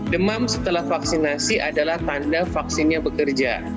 demam setelah vaksinasi adalah tanda vaksinnya bekerja